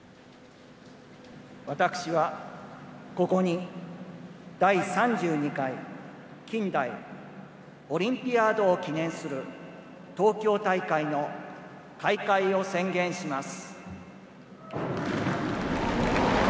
私はここに第３２回近代オリンピアードを記念する東京大会の開会を宣言します。